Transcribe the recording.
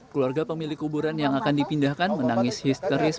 keluarga pemilik kuburan yang akan dipindahkan menangis histeris